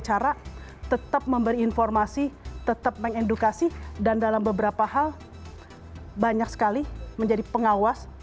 cara tetap memberi informasi tetap mengedukasi dan dalam beberapa hal banyak sekali menjadi pengawas